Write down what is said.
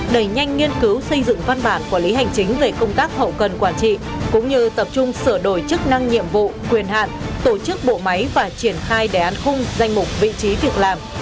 đẩy nhanh nghiên cứu xây dựng văn bản quản lý hành chính về công tác hậu cần quản trị cũng như tập trung sửa đổi chức năng nhiệm vụ quyền hạn tổ chức bộ máy và triển khai đề án khung danh mục vị trí việc làm